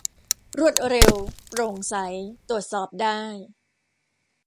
รวดเร็ว โปร่งใส ตรวจสอบได้